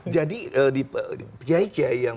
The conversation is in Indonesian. jadi di piai kiai yang